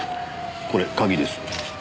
これ鍵です。